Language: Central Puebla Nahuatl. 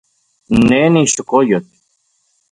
Ne nixokoyotl.